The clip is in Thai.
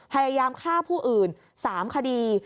พยายามฆ่าผู้อื่น๓คดี